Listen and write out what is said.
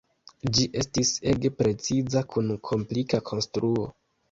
Ĝi estis ege preciza kun komplika konstruo.